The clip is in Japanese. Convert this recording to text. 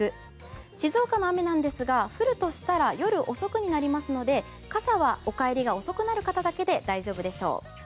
静岡の雨なんですが降るとしたら夜遅くになりますので傘は、お帰りが遅くなる方だけで大丈夫でしょう。